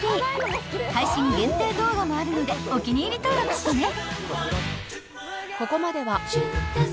［配信限定動画もあるのでお気に入り登録してね］